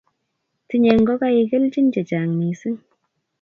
tinyei ngokaik kelchin chechang mising